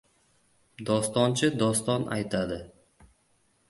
Dostonchi doston aytadi.